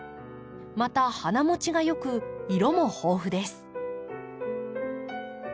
また花もちが良く色も豊富です。